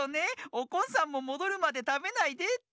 おこんさんももどるまでたべないでって。